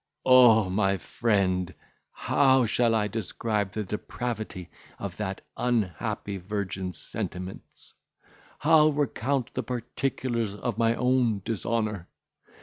O my friend! how shall I describe the depravity of that unhappy virgin's sentiments! how recount the particulars of my own dishonour!